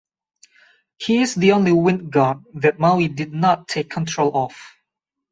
He is the only wind god that Maui did not take control of.